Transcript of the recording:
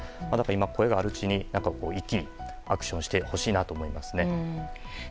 今、声があるうちに一気にアクションをしてほしいと思いますね。